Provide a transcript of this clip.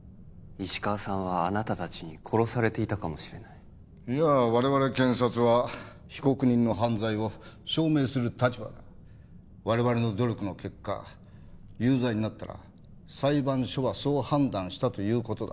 石川さんはあなた達に殺されていたかもしれないいやあ我々検察は被告人の犯罪を証明する立場だ我々の努力の結果有罪になったら裁判所がそう判断したということだ